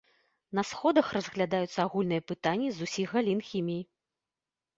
На сходах разглядаюцца актуальныя пытанні з усіх галін хіміі.